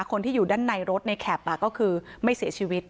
คนที่อยู่ด้านในรถในแคปก็คือไม่เสียชีวิต